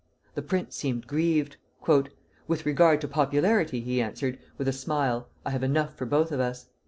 The prince seemed grieved. "With regard to popularity," he answered, with a smile, "I have enough for both of us."